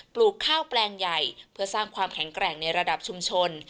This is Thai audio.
ลูกข้าวแปลงใหญ่เพื่อสร้างความแข็งแกร่งในระดับชุมชน